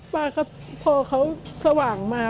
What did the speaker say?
ป้าเค้าโทร้เขาสว่างมา